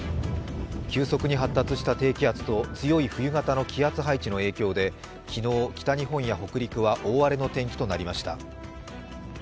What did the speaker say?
急速に発達した低気圧と強い冬型の気圧配置の影響で昨日、北日本や北陸は大荒れの天気となりました。